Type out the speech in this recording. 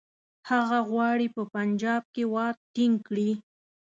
هغه غواړي په پنجاب کې واک ټینګ کړي.